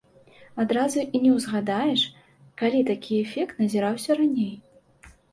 Адразу і не ўзгадаеш, калі такі эфект назіраўся раней.